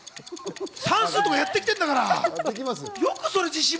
算数とかやってきてるんだから。